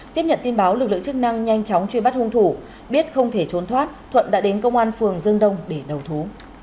tiếp nhận tin báo lực lượng chức năng nhanh chóng truy bắt hung thủ biết không thể trốn thoát thuận đã đến công an phường dương đông để đầu thú